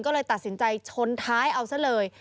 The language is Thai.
ก็เลยตัดสินใจชนท้ายเอาซะเลย